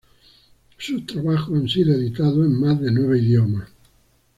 Sus trabajos han sido editados en más de nueve idiomas.